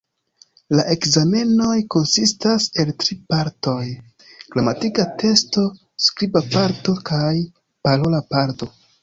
La ekzamenoj konsistas el tri partoj: gramatika testo, skriba parto kaj parola parto.